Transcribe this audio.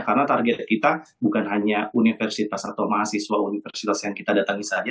karena target kita bukan hanya universitas atau mahasiswa universitas yang kita datangi saja